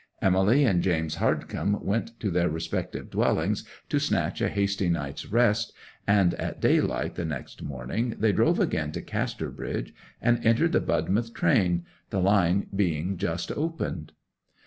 Emily and James Hardcome went to their respective dwellings to snatch a hasty night's rest, and at daylight the next morning they drove again to Casterbridge and entered the Budmouth train, the line being just opened.